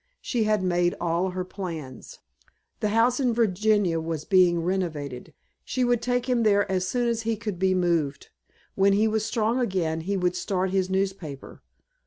She had made all her plans. The house in Virginia was being renovated. She would take him there as soon as he could be moved. When he was strong again he would start his newspaper.